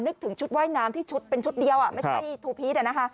นึกถึงชุดว่ายน้ำที่ชุดเป็นชุดเดียวไม่ใช่ทูพีชอะนะคะ